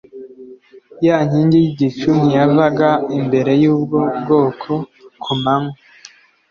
ya nkingi y'igicu ntiyavaga imbere y'ubwo bwoko ku manywa